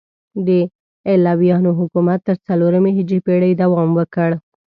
د علویانو حکومت تر څلورمې هجري پیړۍ دوام وکړ.